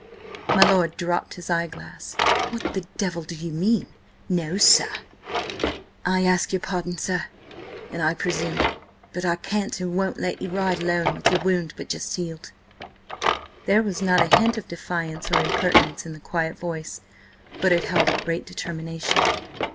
My lord dropped his eye glass. "What the devil do you mean–'No, sir'?" "I ask your pardon, sir, an I presume, but I can't and won't let ye ride alone with your wound but just healed." There was not a hint of defiance or impertinence in the quiet voice, but it held a great determination.